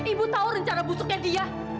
ibu tahu rencana busuknya dia